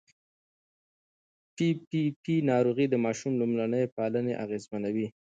پي پي پي ناروغي د ماشوم لومړني پالنې اغېزمنوي.